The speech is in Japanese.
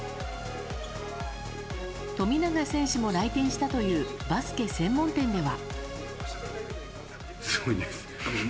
富永選手も来店したというバスケ専門店では。